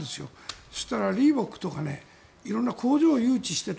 そしたらリーボックとか色んな工場を誘致してた。